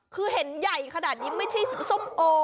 คือเห็นใหญ่ขนาดนี้ไม่ใช่ส้มโอ